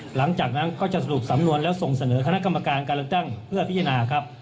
หลังจากนั้นก็จะสรุปสำนวนแล้วส่งเสนอคณะกรรมการการเลือกตั้งเพื่อพิจารณาครับ